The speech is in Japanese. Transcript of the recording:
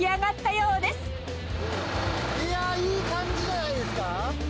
そして、いや、いい感じじゃないです